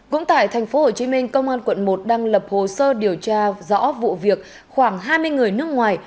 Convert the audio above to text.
cũng tại tp hcm công an quận một đang lập hồ sơ điều tra rõ vụ việc khoảng hai mươi người nước ngoài